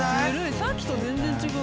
さっきと全然違う。